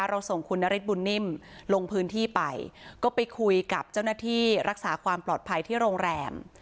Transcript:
เราส่งคุณนฤทธบุญนิ่มลงพื้นที่ไปก็ไปคุยกับเจ้าหน้าที่รักษาความปลอดภัยที่โรงแรม